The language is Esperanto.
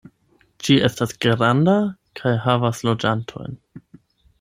Ĝi estas granda kaj havas loĝantojn.